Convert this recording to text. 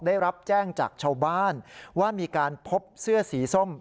ได้รับแจ้งจากชาวบ้านว่ามีการพบเสื้อสีส้ม